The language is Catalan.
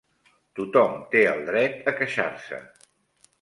Tothom té el dret a queixar-se.